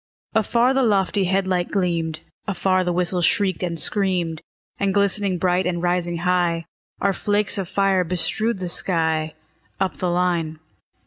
Afar the lofty head light gleamed; Afar the whistle shrieked and screamed; And glistening bright, and rising high, Our flakes of fire bestrewed the sky, Up the line.